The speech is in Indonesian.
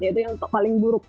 yaitu yang paling buruk